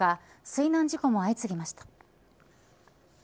水難事故も相次ぎました。